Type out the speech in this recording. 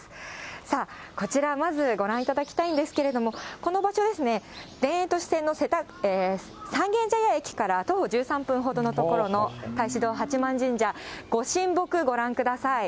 さあ、こちら、まずご覧いただきたいんですけれども、この場所ですね、田園都市線の三軒茶屋駅から徒歩１３分ほどのところの、太子堂八幡神社、ご神木、ご覧ください。